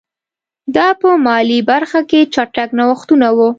دا په مالي برخه کې چټک نوښتونه وو.